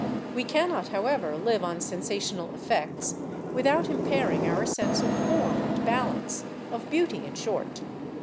We cannot, however, live on sensational effects without impairing our sense of form and balance of beauty, in short.